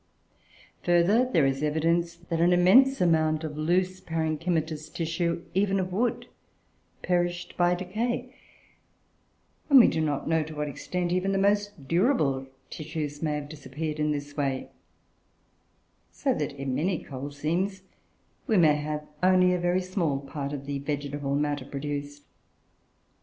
Further, there is evidence that an immense amount of loose parenchymatous tissue, and even of wood, perished by decay, and we do not know to what extent even the most durable tissues may have disappeared in this way; so that, in many coal seams, we may have only a very small part of the vegetable matter produced."